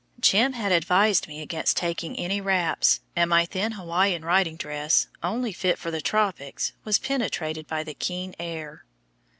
"Jim" had advised me against taking any wraps, and my thin Hawaiian riding dress, only fit for the tropics, was penetrated by the keen air.